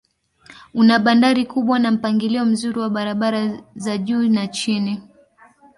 Una bandari kubwa na mpangilio mzuri wa barabara za juu na chini.